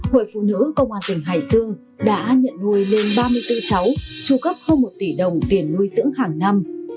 hội phụ nữ công an tỉnh hải dương đã nhận nuôi lên ba mươi bốn cháu tru cấp hơn một tỷ đồng tiền nuôi dưỡng hàng năm